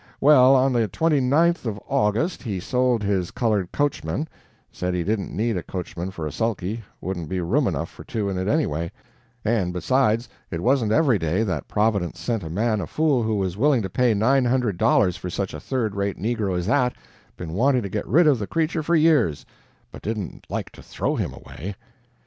"Well, on the 29th of August he sold his colored coachman said he didn't need a coachman for a sulky wouldn't be room enough for two in it anyway and, besides, it wasn't every day that Providence sent a man a fool who was willing to pay nine hundred dollars for such a third rate negro as that been wanting to get rid of the creature for years, but didn't like to THROW him away.